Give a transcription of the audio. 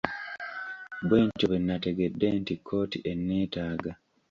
Bwentyo bwe nategedde nti kkooti enneetaaga.